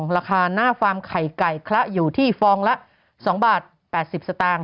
ราคาหน้าฟาร์มไข่ไก่คละอยู่ที่ฟองละ๒บาท๘๐สตางค์